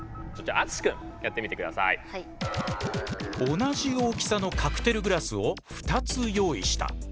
同じ大きさのカクテルグラスを２つ用意した。